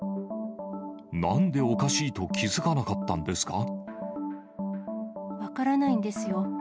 なんでおかしいと気付かなか分からないんですよ。